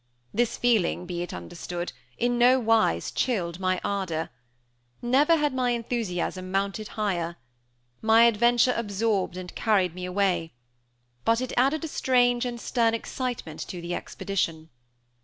This feeling, be it understood, in no wise chilled my ardor. Never had my enthusiasm mounted higher. My adventure absorbed and carried me away; but it added a strange and stern excitement to the expedition.